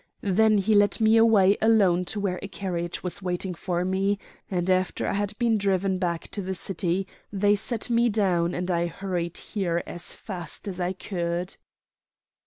Then he led me away alone to where a carriage was waiting for me, and after I had been driven back to the city they set me down, and I hurried here as fast as I could."